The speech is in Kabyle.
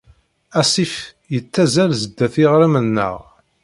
Asif yettazzal sdat yiɣrem-nneɣ.